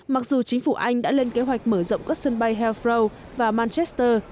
mặc dù chính phủ anh đã lên kế hoạch mở rộng các sân bay hellpro và manchester